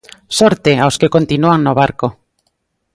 Sorte aos que continúan no barco!